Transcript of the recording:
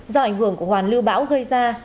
do ảnh hưởng của hoàn lưu bão gây ra